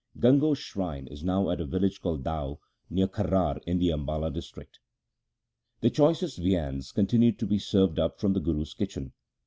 Gango's shrine is now at a village called Dau, near Kharar in the Ambala district. The choicest viands continued to be served up from the Guru's kitchen.